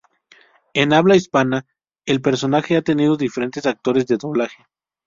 En habla hispana, el personaje ha tenido diferentes actores de doblaje.